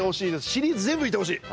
シリーズ全部見てほしい。